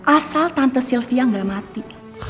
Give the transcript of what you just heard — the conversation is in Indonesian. asal tante sylvia nggak mati